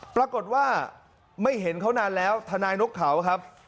ปรากฏว่าไม่เห็นเขานานแล้วทนายนกเขาครับ